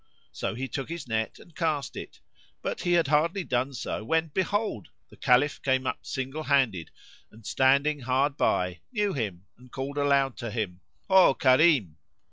So he took his net and cast it, but he had hardly done so when behold, the Caliph come up single handed and, standing hard by, knew him and called aloud to him, "Ho, Karim!"